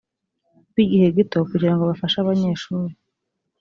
b igihe gito kugira ngo bafashe abanyeshuri